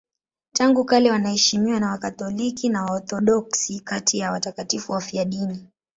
Tangu kale wanaheshimiwa na Wakatoliki na Waorthodoksi kati ya watakatifu wafiadini.